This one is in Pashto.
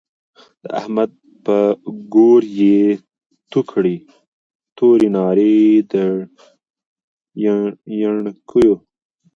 د احمد په ګور يې تو کړی، توری ناړی د يڼکيو